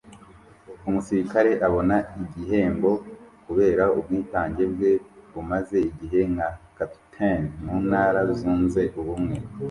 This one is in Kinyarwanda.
Umusirikare abona igihembo kubera ubwitange bwe bumaze igihe nka capitaine muntara zunze ubumwe